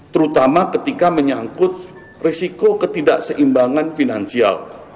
terutama ketika menyangkut risiko ketidakseimbangan finansial